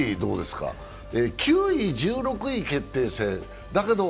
９位１６位決定戦。